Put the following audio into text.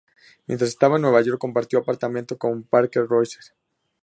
Mientras estaba en Nueva York, compartió apartamento con Parker Posey.